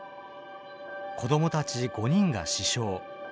子どもたち５人が死傷。